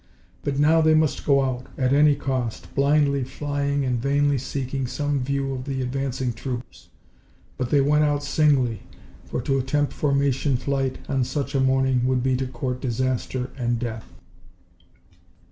But now they must go out, at any cost, blindly flying and vainly seeking some view of the advancing troops. But they went out singly, for to attempt formation flight on such a morning would be to court disaster and death.